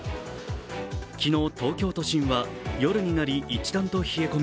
昨日、東京都心は夜になり一段と冷え込み